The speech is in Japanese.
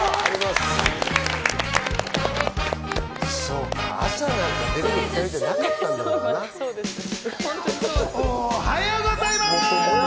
おはようございます！